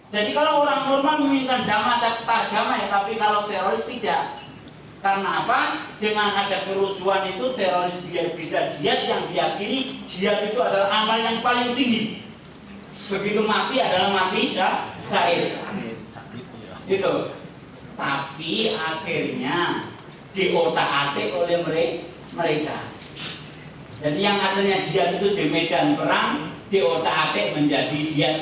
mereka menggunakan hadits untuk kepentingan kelompok mereka sendiri